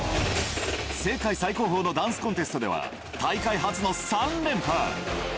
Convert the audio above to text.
世界最高峰のダンスコンテストでは、大会初の３連覇。